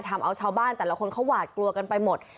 ทำเอาชาวบ้านแต่ละคนเขาหวาดกลัวกันไปหมด